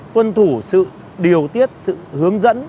tuân thủ sự điều tiết sự hướng dẫn